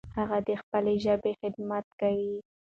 هغه د خپلې ژبې خدمت کوي.